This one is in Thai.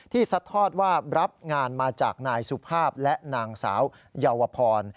ซัดทอดว่ารับงานมาจากนายสุภาพและนางสาวเยาวพร